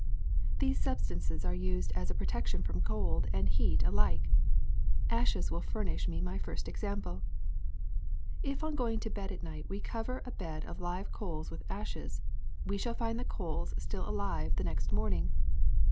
These substances are used as a protection from cold and heat alike. Ashes will furnish me my first example. ^*If on going to bed at night we cover a bed of live coals with ashes, we shall find the coals still alive the next morning.